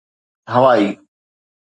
هوائي